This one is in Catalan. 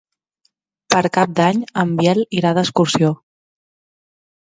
Per Cap d'Any en Biel irà d'excursió.